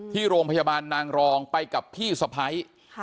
ที่โรงพยาบาลนางรองไปกับพี่สะพ้าย